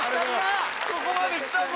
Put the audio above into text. ここまできたぞ